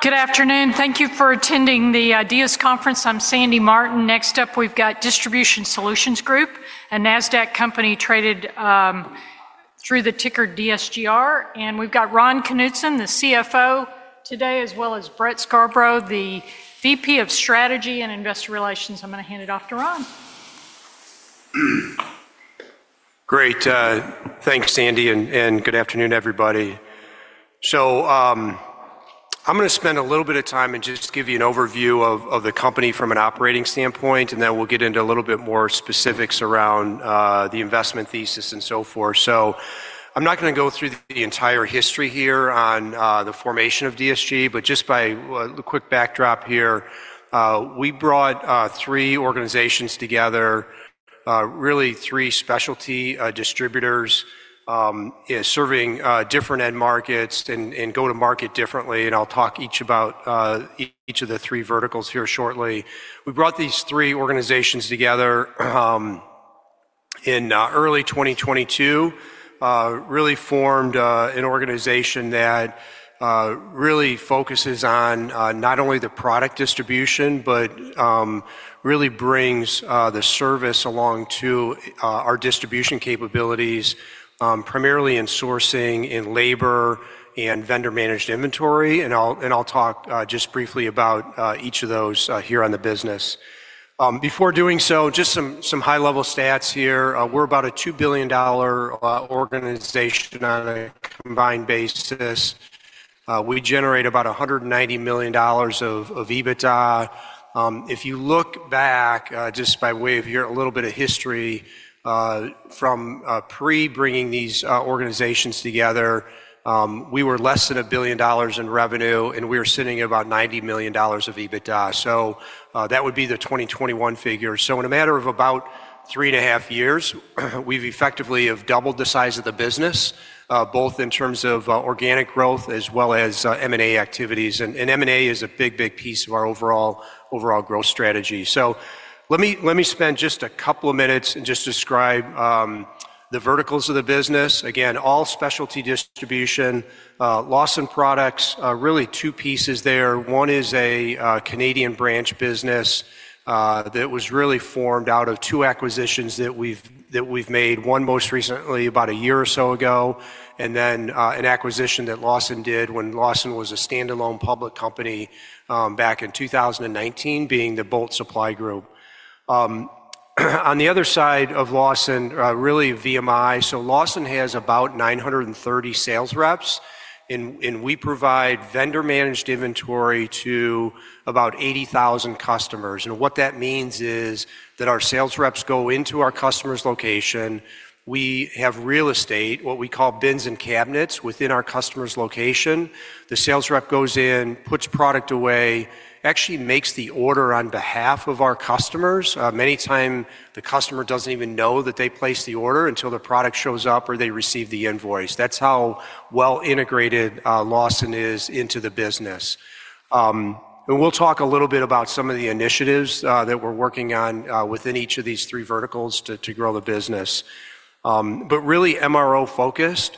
Good afternoon. Thank you for attending the DS Conference. I'm Sandy Martin. Next up, we've got Distribution Solutions Group, a Nasdaq company traded through the ticker DSGR. And we've got Ron Knutson, the CFO today, as well as Brett Scarborough, the VP of Strategy and Investor Relations. I'm going to hand it off to Ron. Great. Thanks, Sandy, and good afternoon, everybody. I'm going to spend a little bit of time and just give you an overview of the company from an operating standpoint, and then we'll get into a little bit more specifics around the investment thesis and so forth. I'm not going to go through the entire history here on the formation of DSGR, but just by a quick backdrop here, we brought three organizations together, really three specialty distributors serving different end markets and go to market differently. I'll talk about each of the three verticals here shortly. We brought these three organizations together in early 2022, really formed an organization that really focuses on not only the product distribution, but really brings the service along to our distribution capabilities, primarily in sourcing, in labor, and vendor-managed inventory. I'll talk just briefly about each of those here on the business. Before doing so, just some high-level stats here. We're about a $2 billion organization on a combined basis. We generate about $190 million of EBITDA. If you look back, just by way of a little bit of history from pre-bringing these organizations together, we were less than $1 billion in revenue, and we were sitting at about $90 million of EBITDA. That would be the 2021 figure. In a matter of about three and a half years, we've effectively doubled the size of the business, both in terms of organic growth as well as M&A activities. M&A is a big, big piece of our overall growth strategy. Let me spend just a couple of minutes and just describe the verticals of the business. Again, all specialty distribution, Lawson Products, really two pieces there. One is a Canadian branch business that was really formed out of two acquisitions that we've made, one most recently about a year or so ago, and then an acquisition that Lawson did when Lawson was a standalone public company back in 2019, being the Bolt Supply Group. On the other side of Lawson, really VMI. Lawson has about 930 sales reps, and we provide vendor-managed inventory to about 80,000 customers. What that means is that our sales reps go into our customer's location. We have real estate, what we call bins and cabinets, within our customer's location. The sales rep goes in, puts product away, actually makes the order on behalf of our customers. Many times, the customer doesn't even know that they placed the order until the product shows up or they receive the invoice. That's how well-integrated Lawson is into the business. We'll talk a little bit about some of the initiatives that we're working on within each of these three verticals to grow the business. Really MRO-focused.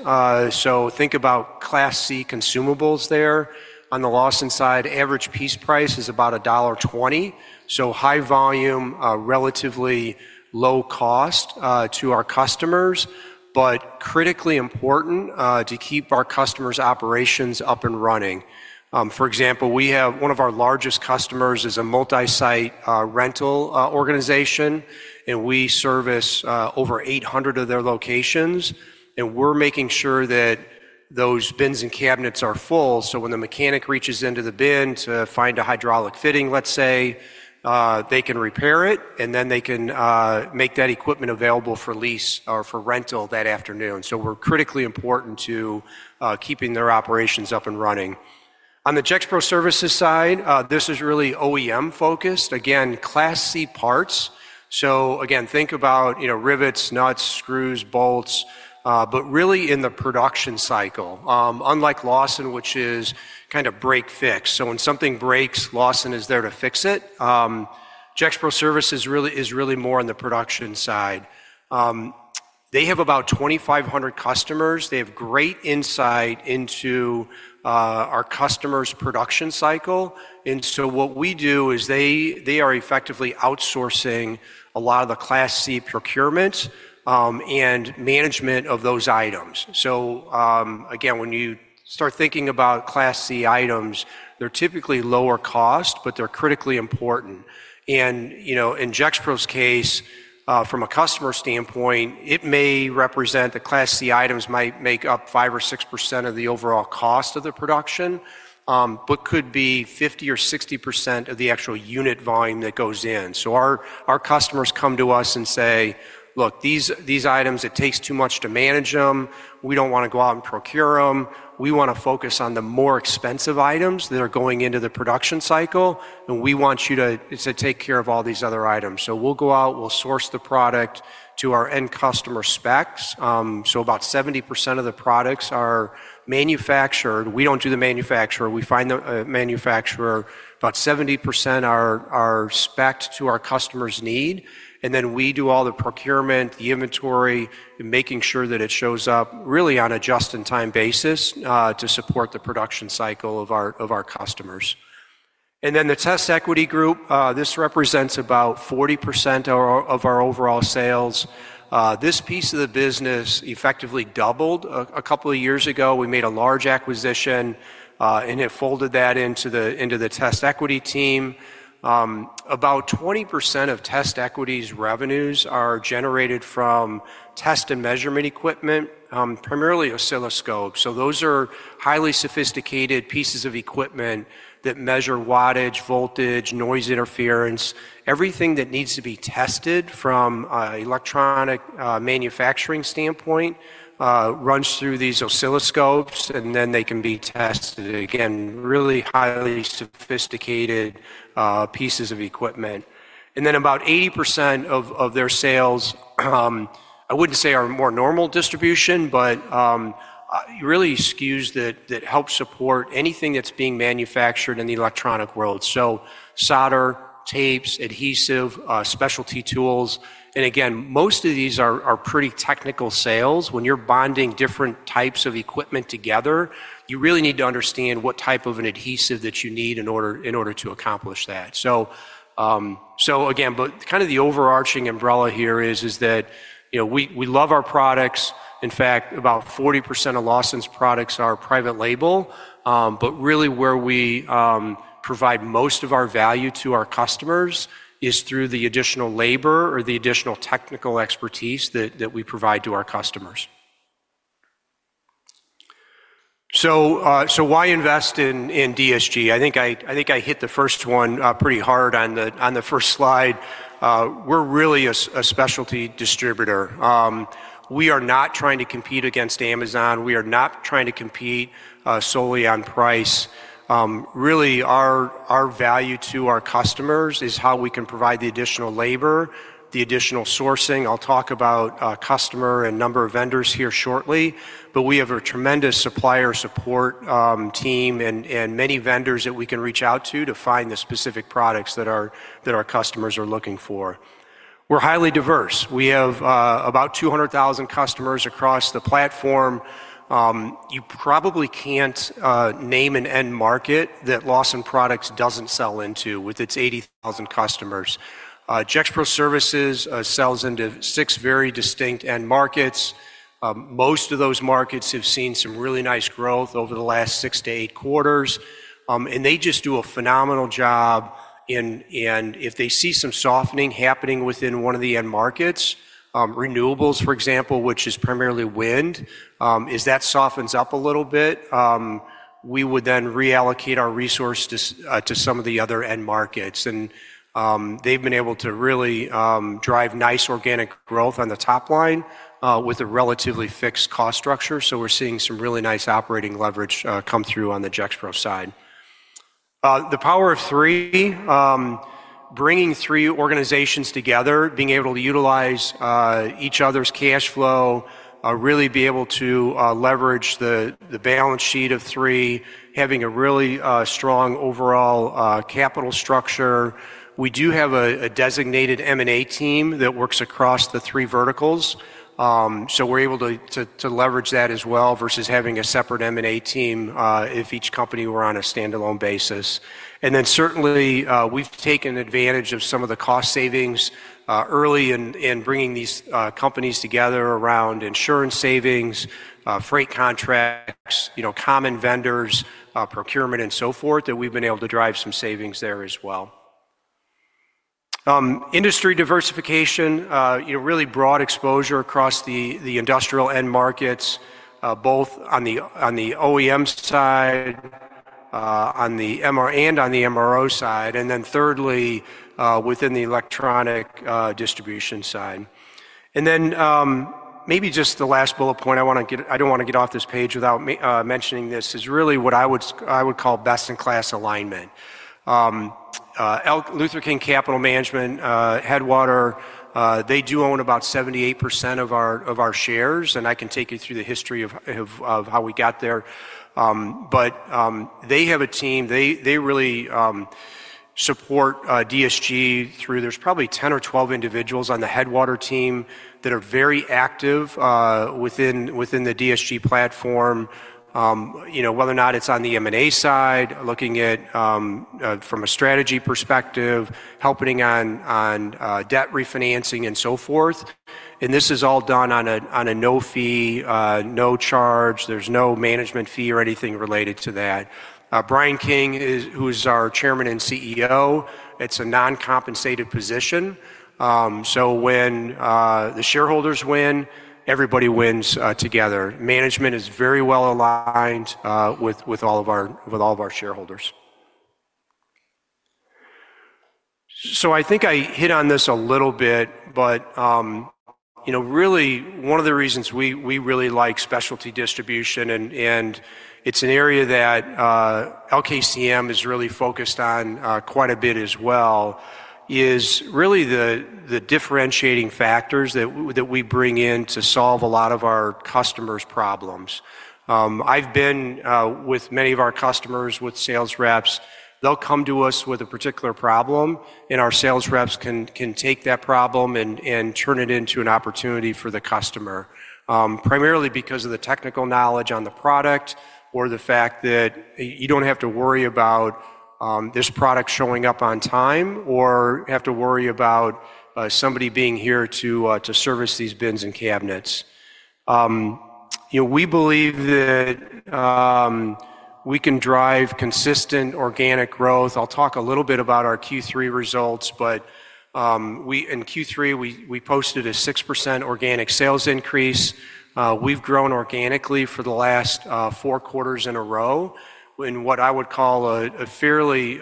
Think about Class C consumables there. On the Lawson side, average piece price is about $1.20. High volume, relatively low cost to our customers, but critically important to keep our customers' operations up and running. For example, one of our largest customers is a multi-site rental organization, and we service over 800 of their locations. We're making sure that those bins and cabinets are full. When the mechanic reaches into the bin to find a hydraulic fitting, let's say, they can repair it, and then they can make that equipment available for lease or for rental that afternoon. We're critically important to keeping their operations up and running. On the Gexpro Services side, this is really OEM-focused. Again, Class C parts. So again, think about rivets, nuts, screws, bolts, but really in the production cycle. Unlike Lawson, which is kind of break-fix. So when something breaks, Lawson is there to fix it. Gexpro Services is really more on the production side. They have about 2,500 customers. They have great insight into our customer's production cycle. And what we do is they are effectively outsourcing a lot of the Class C procurement and management of those items. Again, when you start thinking about Class C items, they're typically lower cost, but they're critically important. In Gexpro's case, from a customer standpoint, it may represent the Class C items might make up 5% or 6% of the overall cost of the production, but could be 50% or 60% of the actual unit volume that goes in. Our customers come to us and say, "Look, these items, it takes too much to manage them. We don't want to go out and procure them. We want to focus on the more expensive items that are going into the production cycle, and we want you to take care of all these other items." We'll go out, we'll source the product to our end customer specs. About 70% of the products are manufactured. We don't do the manufacturer. We find the manufacturer. About 70% are specced to our customer's need. We do all the procurement, the inventory, making sure that it shows up really on a just-in-time basis to support the production cycle of our customers. The TestEquity Group, this represents about 40% of our overall sales. This piece of the business effectively doubled a couple of years ago. We made a large acquisition, and it folded that into the TestEquity team. About 20% of TestEquity's revenues are generated from test and measurement equipment, primarily oscilloscopes. Those are highly sophisticated pieces of equipment that measure wattage, voltage, noise interference, everything that needs to be tested from an electronic manufacturing standpoint, runs through these oscilloscopes, and then they can be tested. Again, really highly sophisticated pieces of equipment. About 80% of their sales, I wouldn't say are more normal distribution, but really SKUs that help support anything that's being manufactured in the electronic world. Solder, tapes, adhesives, specialty tools. Again, most of these are pretty technical sales. When you're bonding different types of equipment together, you really need to understand what type of an adhesive that you need in order to accomplish that. Again, but kind of the overarching umbrella here is that we love our products. In fact, about 40% of Lawson's products are private label. Really where we provide most of our value to our customers is through the additional labor or the additional technical expertise that we provide to our customers. Why invest in DSG? I think I hit the first one pretty hard on the first slide. We're really a specialty distributor. We are not trying to compete against Amazon. We are not trying to compete solely on price. Really, our value to our customers is how we can provide the additional labor, the additional sourcing. I'll talk about customer and number of vendors here shortly, but we have a tremendous supplier support team and many vendors that we can reach out to to find the specific products that our customers are looking for. We're highly diverse. We have about 200,000 customers across the platform. You probably can't name an end market that Lawson Products doesn't sell into with its 80,000 customers. Gexpro Services sells into six very distinct end markets. Most of those markets have seen some really nice growth over the last six to eight quarters. They just do a phenomenal job. If they see some softening happening within one of the end markets, renewables, for example, which is primarily wind, if that softens up a little bit, we would then reallocate our resource to some of the other end markets. They have been able to really drive nice organic growth on the top line with a relatively fixed cost structure. We're seeing some really nice operating leverage come through on the Gexpro side. The power of three, bringing three organizations together, being able to utilize each other's cash flow, really be able to leverage the balance sheet of three, having a really strong overall capital structure. We do have a designated M&A team that works across the three verticals. We are able to leverage that as well versus having a separate M&A team if each company were on a standalone basis. Certainly, we have taken advantage of some of the cost savings early in bringing these companies together around insurance savings, freight contracts, common vendors, procurement, and so forth, that we have been able to drive some savings there as well. Industry diversification, really broad exposure across the industrial end markets, both on the OEM side and on the MRO side. Thirdly, within the electronic distribution side. Maybe just the last bullet point I want to get—I don't want to get off this page without mentioning this—is really what I would call best-in-class alignment. LKCM Headwater, they do own about 78% of our shares. I can take you through the history of how we got there. They have a team. They really support DSGR through—there's probably 10 or 12 individuals on the Headwater team that are very active within the DSGR platform, whether or not it's on the M&A side, looking at it from a strategy perspective, helping on debt refinancing and so forth. This is all done on a no fee, no charge. There's no management fee or anything related to that. Bryan King, who is our Chairman and CEO, it's a non-compensated position. When the shareholders win, everybody wins together. Management is very well aligned with all of our shareholders. I think I hit on this a little bit, but really one of the reasons we really like specialty distribution, and it's an area that LKCM is really focused on quite a bit as well, is really the differentiating factors that we bring in to solve a lot of our customers' problems. I've been with many of our customers with sales reps. They'll come to us with a particular problem, and our sales reps can take that problem and turn it into an opportunity for the customer, primarily because of the technical knowledge on the product or the fact that you don't have to worry about this product showing up on time or have to worry about somebody being here to service these bins and cabinets. We believe that we can drive consistent organic growth. I'll talk a little bit about our Q3 results, but in Q3, we posted a 6% organic sales increase. We've grown organically for the last four quarters in a row in what I would call a fairly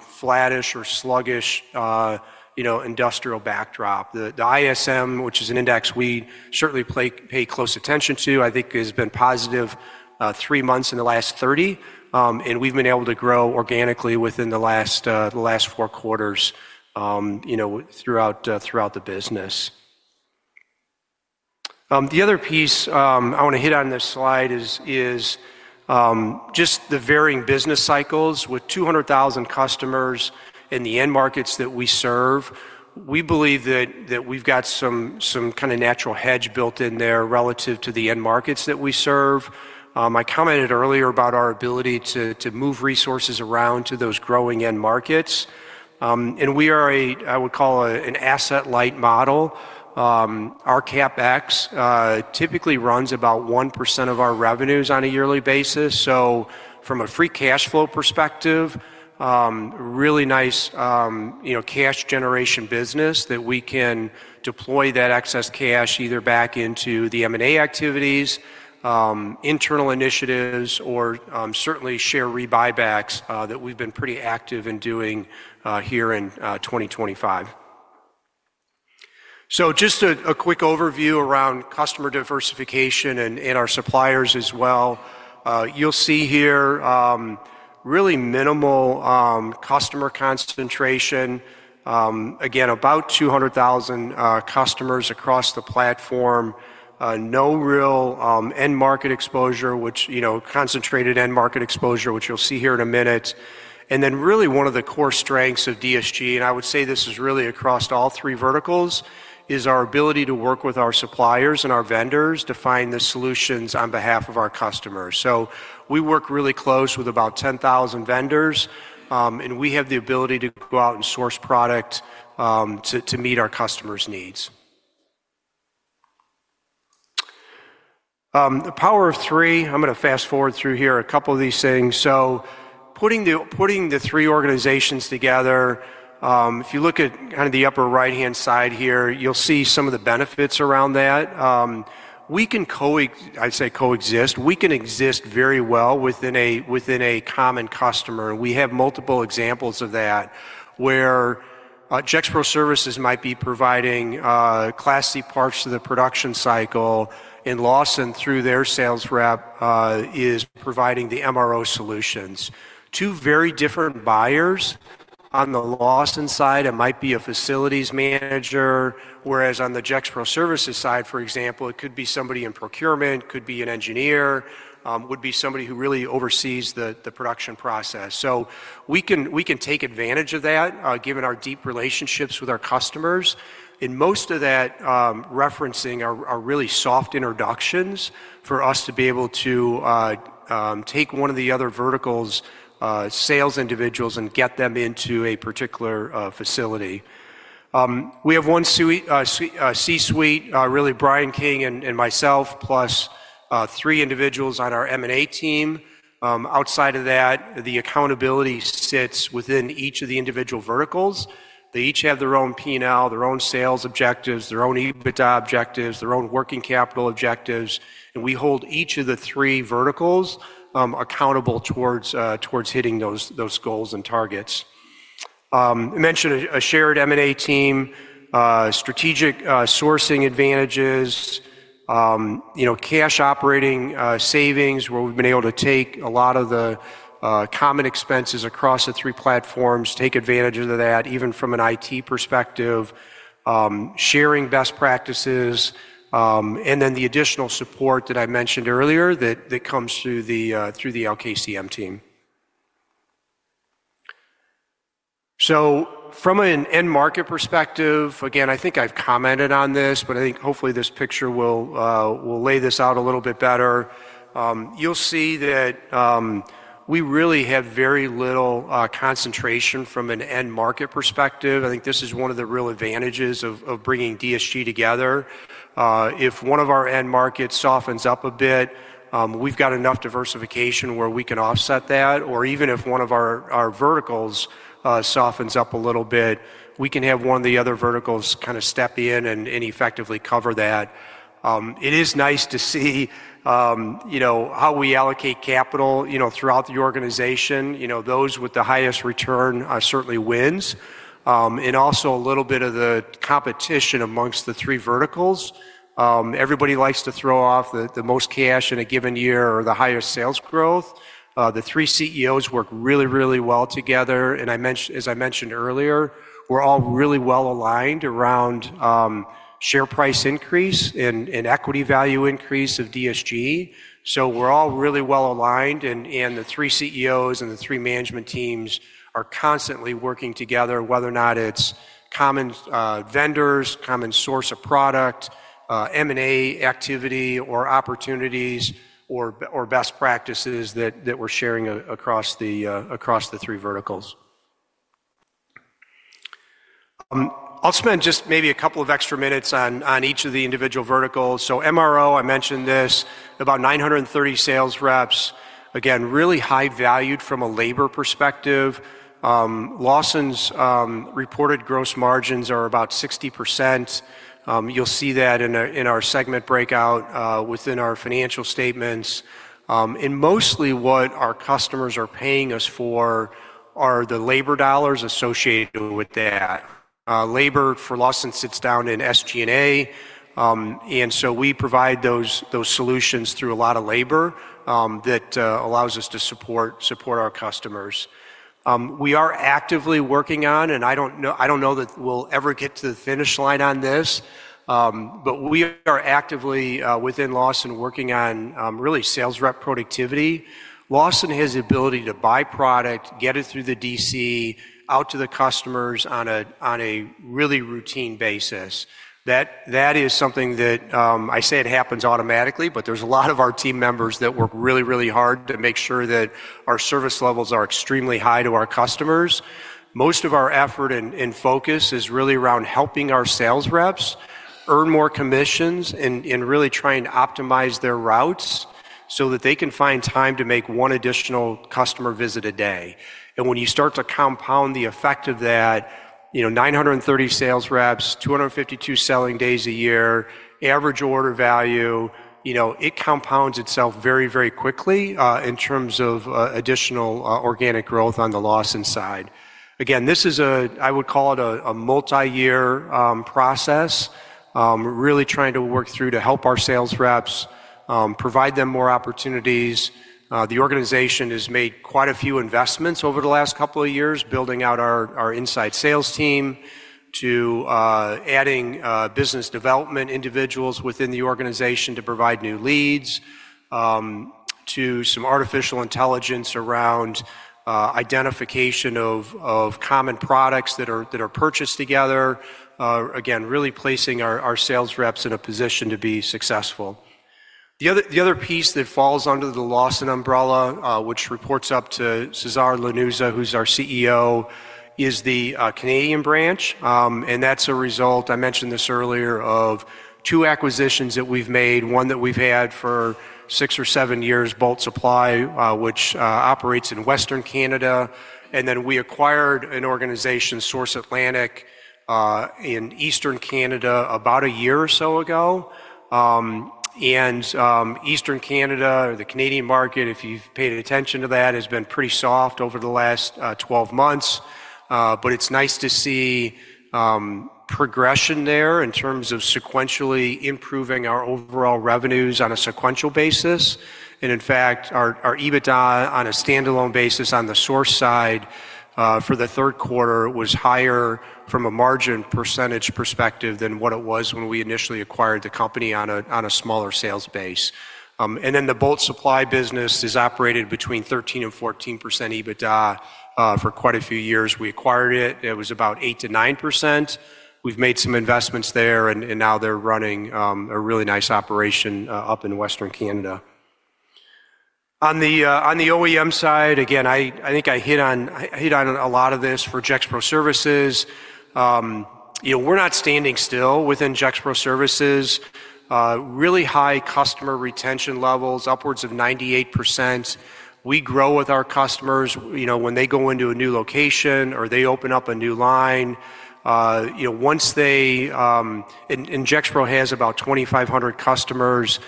flattish or sluggish industrial backdrop. The ISM, which is an index we certainly pay close attention to, I think has been positive three months in the last 30. We've been able to grow organically within the last four quarters throughout the business. The other piece I want to hit on this slide is just the varying business cycles with 200,000 customers in the end markets that we serve. We believe that we've got some kind of natural hedge built in there relative to the end markets that we serve. I commented earlier about our ability to move resources around to those growing end markets. We are a, I would call it an asset light model. Our CapEx typically runs about 1% of our revenues on a yearly basis. From a free cash flow perspective, really nice cash generation business that we can deploy that excess cash either back into the M&A activities, internal initiatives, or certainly share rebuybacks that we've been pretty active in doing here in 2025. Just a quick overview around customer diversification and our suppliers as well. You'll see here really minimal customer concentration. Again, about 200,000 customers across the platform. No real end market exposure, which concentrated end market exposure, which you'll see here in a minute. Really one of the core strengths of DSG, and I would say this is really across all three verticals, is our ability to work with our suppliers and our vendors to find the solutions on behalf of our customers. We work really close with about 10,000 vendors, and we have the ability to go out and source product to meet our customers' needs. The power of three. I'm going to fast forward through here a couple of these things. Putting the three organizations together, if you look at kind of the upper right-hand side here, you'll see some of the benefits around that. We can, I'd say, coexist. We can exist very well within a common customer. We have multiple examples of that where Gexpro Services might be providing Class C parts to the production cycle, and Lawson through their sales rep is providing the MRO solutions. Two very different buyers on the Lawson side. It might be a facilities manager, whereas on the Gexpro Services side, for example, it could be somebody in procurement, could be an engineer, would be somebody who really oversees the production process. We can take advantage of that given our deep relationships with our customers. Most of that referencing are really soft introductions for us to be able to take one of the other verticals' sales individuals and get them into a particular facility. We have one C-suite, really Bryan King and myself, plus three individuals on our M&A team. Outside of that, the accountability sits within each of the individual verticals. They each have their own P&L, their own sales objectives, their own EBITDA objectives, their own working capital objectives. We hold each of the three verticals accountable towards hitting those goals and targets. I mentioned a shared M&A team, strategic sourcing advantages, cash operating savings where we've been able to take a lot of the common expenses across the three platforms, take advantage of that even from an IT perspective, sharing best practices, and then the additional support that I mentioned earlier that comes through the LKCM team. From an end market perspective, again, I think I've commented on this, but I think hopefully this picture will lay this out a little bit better. You'll see that we really have very little concentration from an end market perspective. I think this is one of the real advantages of bringing DSGR together. If one of our end markets softens up a bit, we've got enough diversification where we can offset that. Even if one of our verticals softens up a little bit, we can have one of the other verticals kind of step in and effectively cover that. It is nice to see how we allocate capital throughout the organization. Those with the highest return certainly wins. Also a little bit of the competition amongst the three verticals. Everybody likes to throw off the most cash in a given year or the highest sales growth. The three CEOs work really, really well together. As I mentioned earlier, we're all really well aligned around share price increase and equity value increase of DSGR. We're all really well aligned. The three CEOs and the three management teams are constantly working together, whether or not it's common vendors, common source of product, M&A activity or opportunities or best practices that we're sharing across the three verticals. I'll spend just maybe a couple of extra minutes on each of the individual verticals. MRO, I mentioned this, about 930 sales reps. Again, really high valued from a labor perspective. Lawson's reported gross margins are about 60%. You'll see that in our segment breakout within our financial statements. Mostly what our customers are paying us for are the labor dollars associated with that. Labor for Lawson sits down in SG&A. We provide those solutions through a lot of labor that allows us to support our customers. We are actively working on, and I don't know that we'll ever get to the finish line on this, but we are actively within Lawson working on really sales rep productivity. Lawson has the ability to buy product, get it through the DC, out to the customers on a really routine basis. That is something that I say it happens automatically, but there's a lot of our team members that work really, really hard to make sure that our service levels are extremely high to our customers. Most of our effort and focus is really around helping our sales reps earn more commissions and really trying to optimize their routes so that they can find time to make one additional customer visit a day. When you start to compound the effect of that, 930 sales reps, 252 selling days a year, average order value, it compounds itself very, very quickly in terms of additional organic growth on the Lawson side. Again, this is a, I would call it a multi-year process, really trying to work through to help our sales reps, provide them more opportunities. The organization has made quite a few investments over the last couple of years, building out our inside sales team to adding business development individuals within the organization to provide new leads, to some artificial intelligence around identification of common products that are purchased together. Again, really placing our sales reps in a position to be successful. The other piece that falls under the Lawson umbrella, which reports up to Cesar Lanuza, who's our CEO, is the Canadian branch. That is a result, I mentioned this earlier, of two acquisitions that we have made. One that we have had for six or seven years, Bolt Supply, which operates in Western Canada. We acquired an organization, Source Atlantic, in Eastern Canada about a year or so ago. Eastern Canada, the Canadian market, if you have paid attention to that, has been pretty soft over the last 12 months. It is nice to see progression there in terms of sequentially improving our overall revenues on a sequential basis. In fact, our EBITDA on a standalone basis on the Source side for the third quarter was higher from a margin percentage perspective than what it was when we initially acquired the company on a smaller sales base. The Bolt Supply business has operated between 13-14% EBITDA for quite a few years. We acquired it. It was about 8-9%. We've made some investments there, and now they're running a really nice operation up in Western Canada. On the OEM side, again, I think I hit on a lot of this for Gexpro Services. We're not standing still within Gexpro Services. Really high customer retention levels, upwards of 98%. We grow with our customers when they go into a new location or they open up a new line. Once they—and Gexpro has about 2,500 customers—once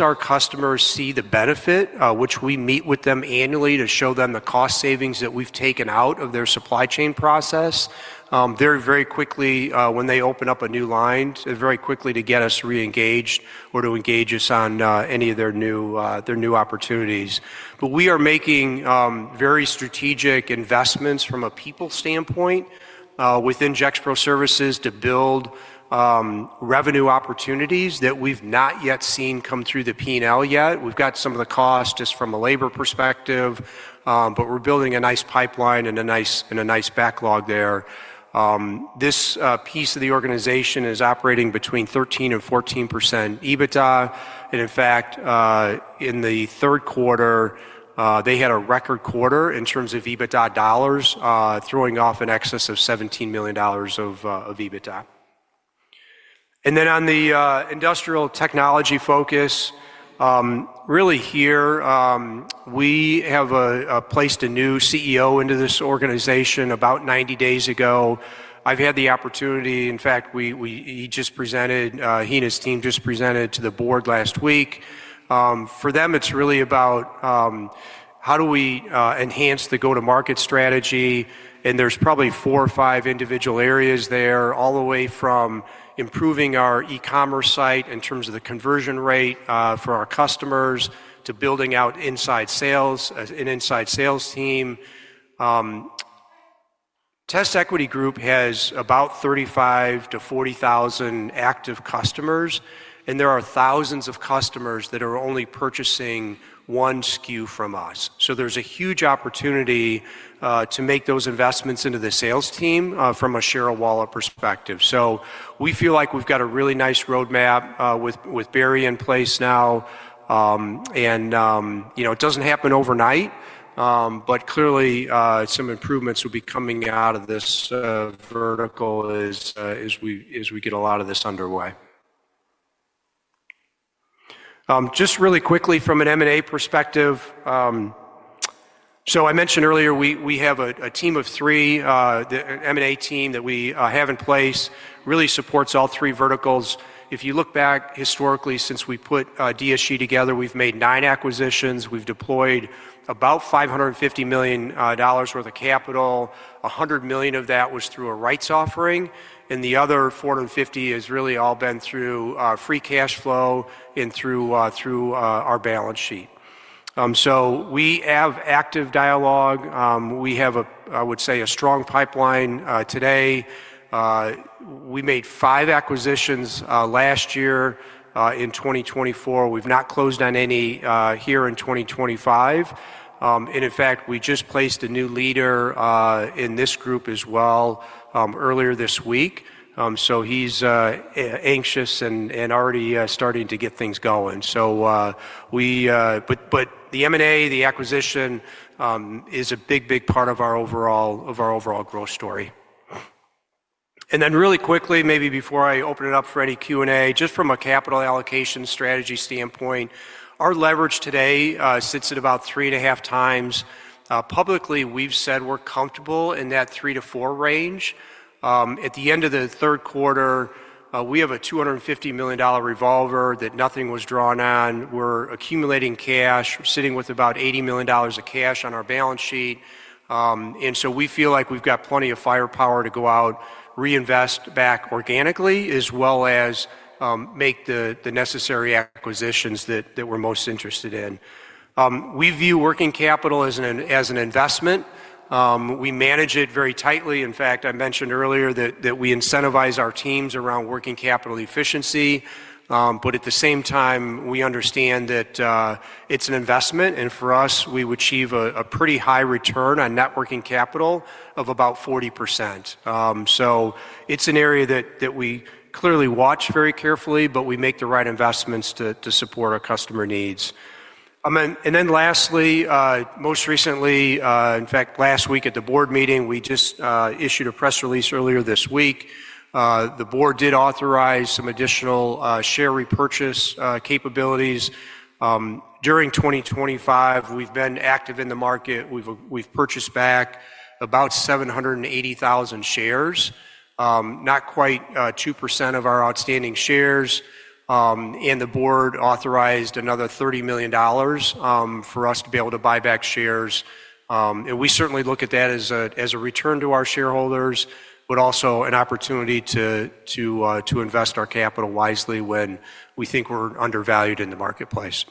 our customers see the benefit, which we meet with them annually to show them the cost savings that we've taken out of their supply chain process, they're very quickly, when they open up a new line, they're very quick to get us reengaged or to engage us on any of their new opportunities. We are making very strategic investments from a people standpoint within Gexpro Services to build revenue opportunities that we have not yet seen come through the P&L yet. We have got some of the cost just from a labor perspective, but we are building a nice pipeline and a nice backlog there. This piece of the organization is operating between 13-14% EBITDA. In fact, in the third quarter, they had a record quarter in terms of EBITDA dollars, throwing off in excess of $17 million of EBITDA. On the industrial technology focus, really here, we have placed a new CEO into this organization about 90 days ago. I have had the opportunity—in fact, he just presented; he and his team just presented to the board last week. For them, it is really about how do we enhance the go-to-market strategy. There are probably four or five individual areas there, all the way from improving our e-commerce site in terms of the conversion rate for our customers to building out inside sales and inside sales team. TestEquity has about 35,000-40,000 active customers. There are thousands of customers that are only purchasing one SKU from us. There is a huge opportunity to make those investments into the sales team from a share of wallet perspective. We feel like we have got a really nice roadmap with Barry in place now. It does not happen overnight, but clearly some improvements will be coming out of this vertical as we get a lot of this underway. Just really quickly from an M&A perspective, I mentioned earlier we have a team of three. The M&A team that we have in place really supports all three verticals. If you look back historically since we put DSG together, we've made nine acquisitions. We've deployed about $550 million worth of capital. $100 million of that was through a rights offering. The other $450 million has really all been through free cash flow and through our balance sheet. We have active dialogue. I would say a strong pipeline today. We made five acquisitions last year in 2024. We've not closed on any here in 2025. In fact, we just placed a new leader in this group as well earlier this week. He's anxious and already starting to get things going. The M&A, the acquisition is a big, big part of our overall growth story. Really quickly, maybe before I open it up for any Q&A, just from a capital allocation strategy standpoint, our leverage today sits at about three and a half times. Publicly, we've said we're comfortable in that three to four range. At the end of the third quarter, we have a $250 million revolver that nothing was drawn on. We're accumulating cash, sitting with about $80 million of cash on our balance sheet. We feel like we've got plenty of firepower to go out, reinvest back organically, as well as make the necessary acquisitions that we're most interested in. We view working capital as an investment. We manage it very tightly. In fact, I mentioned earlier that we incentivize our teams around working capital efficiency. At the same time, we understand that it's an investment. For us, we would achieve a pretty high return on networking capital of about 40%. It is an area that we clearly watch very carefully, but we make the right investments to support our customer needs. Lastly, most recently, in fact, last week at the board meeting, we just issued a press release earlier this week. The board did authorize some additional share repurchase capabilities. During 2025, we have been active in the market. We have purchased back about 780,000 shares, not quite 2% of our outstanding shares. The board authorized another $30 million for us to be able to buy back shares. We certainly look at that as a return to our shareholders, but also an opportunity to invest our capital wisely when we think we are undervalued in the marketplace.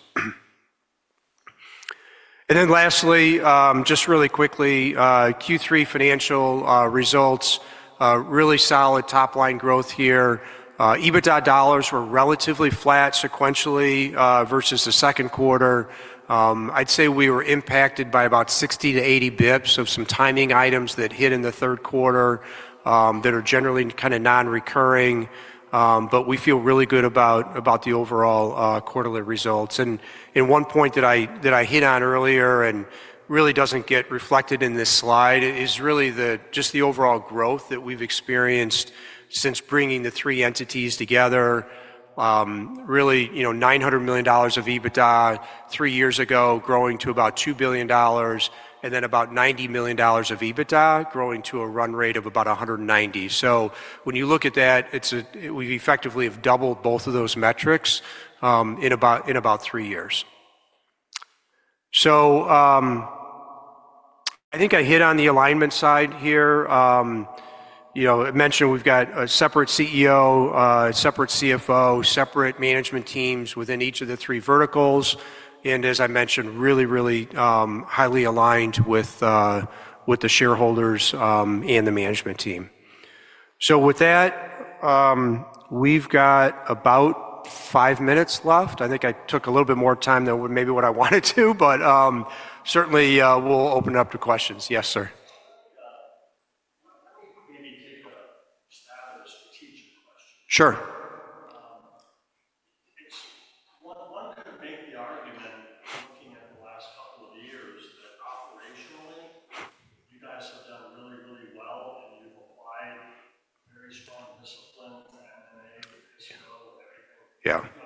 Lastly, just really quickly, Q3 financial results, really solid top-line growth here. EBITDA dollars were relatively flat sequentially versus the second quarter. I'd say we were impacted by about 60 to 80 basis points of some timing items that hit in the third quarter that are generally kind of non-recurring. We feel really good about the overall quarterly results. One point that I hit on earlier and really does not get reflected in this slide is really just the overall growth that we've experienced since bringing the three entities together. Really, $900 million of EBITDA three years ago growing to about $2 billion, and then about $90 million of EBITDA growing to a run rate of about $190 million. When you look at that, we've effectively doubled both of those metrics in about three years. I think I hit on the alignment side here. I mentioned we've got a separate CEO, a separate CFO, separate management teams within each of the three verticals. As I mentioned, really, really highly aligned with the shareholders and the management team. With that, we've got about five minutes left. I think I took a little bit more time than maybe what I wanted to, but certainly we'll open it up to questions. Yes, sir. Maybe take a strategic question. Sure. One could make the argument, looking at the last couple of years, that operationally, you guys have done really, really well and you've applied very strong discipline to M&A, to Cisco, everything.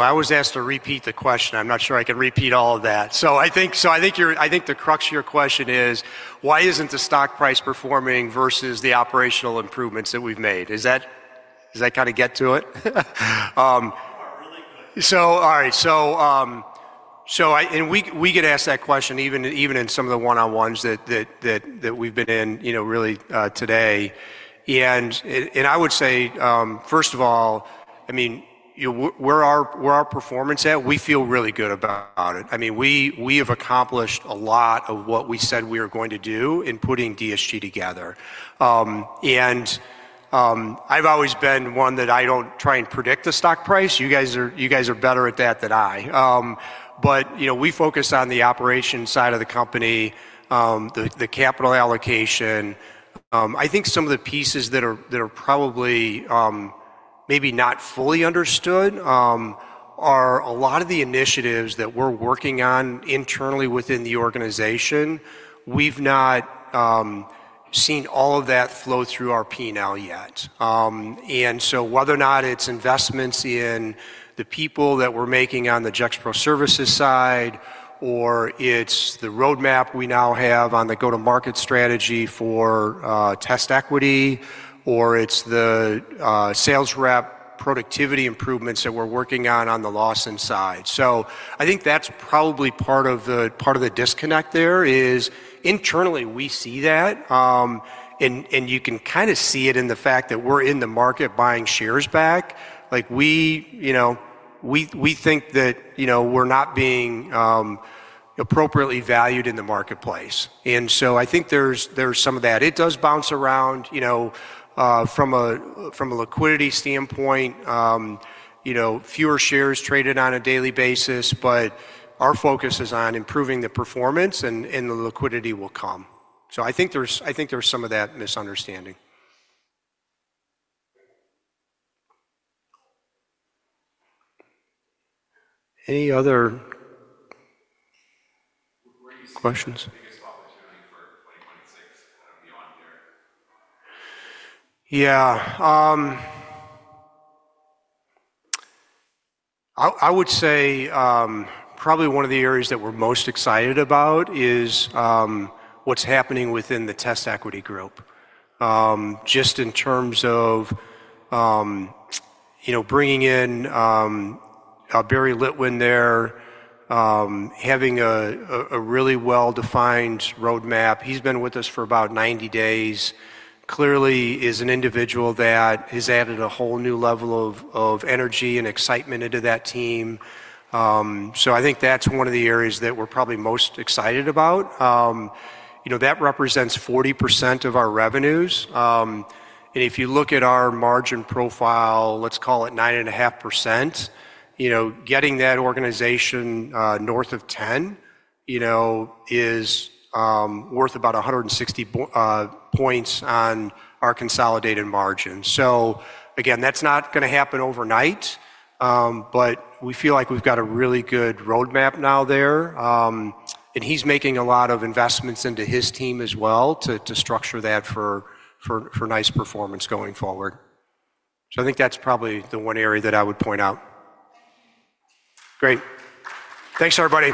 I was asked to repeat the question. I'm not sure I can repeat all of that. I think the crux of your question is, why isn't the stock price performing versus the operational improvements that we've made? Does that kind of get to it? All right. We get asked that question even in some of the one-on-ones that we've been in really today. I would say, first of all, I mean, where our performance at, we feel really good about it. I mean, we have accomplished a lot of what we said we were going to do in putting DSG together. I've always been one that I don't try and predict the stock price. You guys are better at that than I. We focus on the operation side of the company, the capital allocation. I think some of the pieces that are probably maybe not fully understood are a lot of the initiatives that we're working on internally within the organization. We've not seen all of that flow through our P&L yet. Whether or not it's investments in the people that we're making on the Gexpro Services side, or it's the roadmap we now have on the go-to-market strategy for TestEquity, or it's the sales rep productivity improvements that we're working on on the Lawson side. I think that's probably part of the disconnect there is internally we see that. You can kind of see it in the fact that we're in the market buying shares back. We think that we're not being appropriately valued in the marketplace. I think there's some of that. It does bounce around from a liquidity standpoint, fewer shares traded on a daily basis, but our focus is on improving the performance and the liquidity will come. I think there's some of that misunderstanding. Any other questions? Biggest opportunity for 2026 beyond here? Yeah. I would say probably one of the areas that we're most excited about is what's happening within the TestEquity Group just in terms of bringing in Barry Litwin there, having a really well-defined roadmap. He's been with us for about 90 days. Clearly, he is an individual that has added a whole new level of energy and excitement into that team. I think that's one of the areas that we're probably most excited about. That represents 40% of our revenues. If you look at our margin profile, let's call it 9.5%, getting that organization north of 10% is worth about 160 basis points on our consolidated margin. That is not going to happen overnight, but we feel like we've got a really good roadmap now there. He's making a lot of investments into his team as well to structure that for nice performance going forward. I think that's probably the one area that I would point out. Great. Thanks, everybody.